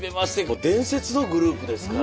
もう伝説のグループですから。